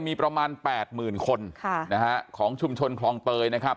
มีประมาณแปดหมื่นคนค่ะนะฮะของชุมชนคลองเตยนะครับ